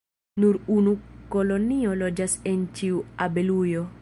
Nur unu kolonio loĝas en ĉiu abelujo.